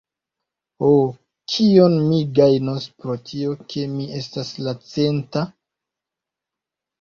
"Ho, kion mi gajnos pro tio, ke mi estas la centa?"